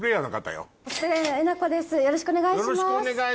よろしくお願いします。